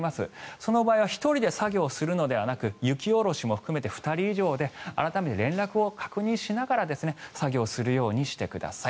その場合は１人で作業するのではなく雪下ろしも含めて２人以上で改めて連絡を確認しながら作業するようにしてください。